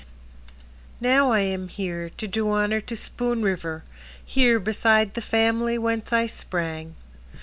Now I am here to do honor To Spoon River, here beside the family whence I sprang.